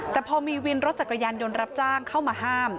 แต่พอมีวินรถจักรยานยนต์รับจ้างเข้ามาห้าม